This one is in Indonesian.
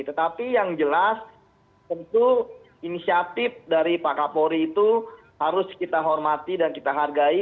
tetapi yang jelas tentu inisiatif dari pak kapolri itu harus kita hormati dan kita hargai